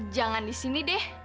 jangan di sini deh